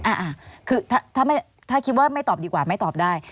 อ่าคือถ้าคิดว่าไม่ตอบดีกว่าไม่ตอบได้